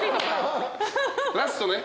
ラストね。